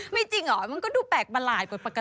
จริงเหรอมันก็ดูแปลกประหลาดกว่าปกติ